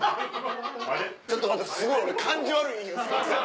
ちょっと待ってすごい俺感じ悪い。